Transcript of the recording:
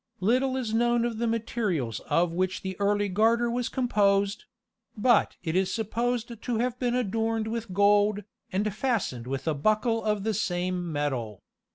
Little is known of the materials of which the early garter was composed; but it is supposed to have been adorned with gold, and fastened with a buckle of the same metal.